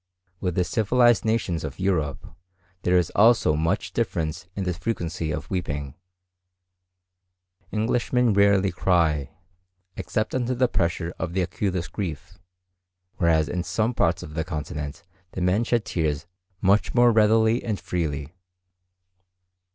With the civilized nations of Europe there is also much difference in the frequency of weeping. Englishmen rarely cry, except under the pressure of the acutest grief; whereas in some parts of the Continent the men shed tears much more readily and freely.